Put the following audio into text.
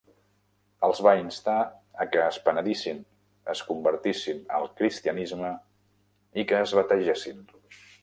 Els va instar a que es penedissin, es convertissin al cristianisme i que es bategessin.